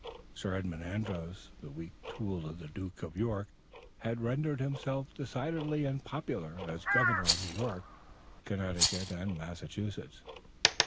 Sir Edmond Andros, the weak tool of the Duke of York, had rendered himself decidedly unpopular as governor of New York, Connecticut and Massachusetts.